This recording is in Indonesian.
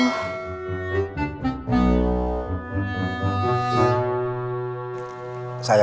gini ev rupiah saya